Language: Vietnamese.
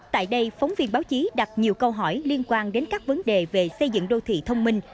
tại đây phóng viên báo chí đặt nhiều câu hỏi liên quan đến các vấn đề về xây dựng đô thị thông minh